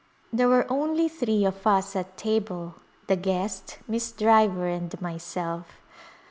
There were only three of us at table, the guest. Miss Driver and myself.